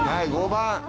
５番。